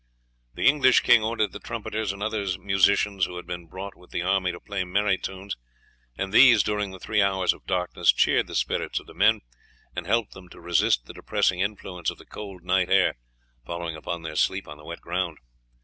The English king ordered the trumpeters and other musicians who had been brought with the army to play merry tunes, and these during the three hours of darkness cheered the spirits of the men and helped them to resist the depressing influence of the cold night air following upon their sleep on the wet ground.